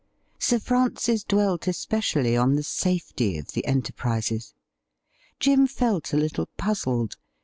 Sir Francis dwelt especially on the safety of the enterprises. Jim felt a little puzzled.